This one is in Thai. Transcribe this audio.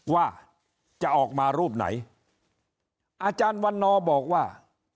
ว่าจะออกมารูปไหนอาจารย์วันนอบอกว่า